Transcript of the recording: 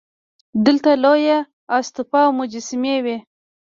دلته لویه استوپا او مجسمې وې